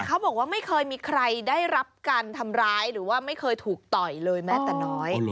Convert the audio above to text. เขาบอกว่าไม่เคยมีใครได้รับการทำร้ายหรือว่าไม่เคยถูกต่อยเลยแม้แต่น้อย